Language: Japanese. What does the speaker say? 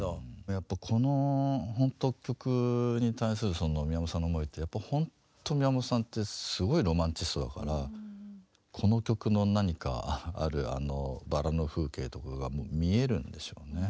やっぱこのほんと曲に対するその宮本さんの思いってほんと宮本さんってすごいロマンチストだからこの曲の何かあるあのバラの風景とかがもう見えるんでしょうね。